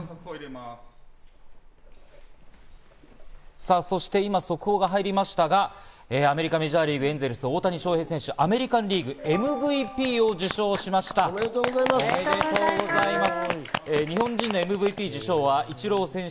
さぁ、そして今速報が入りましたが、アメリカメジャーリーグ、エンゼルス・大谷翔平選手、アメリカンおめでとうございます。